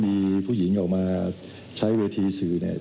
มีผู้หญิงออกมาใช้เวทีสื่อเนี่ย